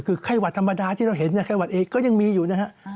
คือไข้หวัดธรรมดาที่เราเห็นไข้หวัดเองก็ยังมีอยู่นะฮะ